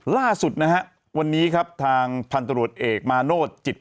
ล่าสุดนะฮะวันนี้ครับทางพันธุรกษ์เอกมาโนธจิตพลักษณีย์ครับ